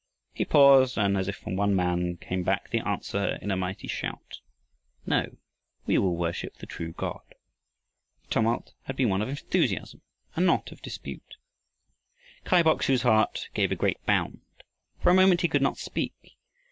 He paused and as if from one man came back the answer in a mighty shout: "No, we will worship the true God!" The tumult had been one of enthusiasm and not of dispute! Kai Bok su's heart gave a great bound. For a moment he could not speak.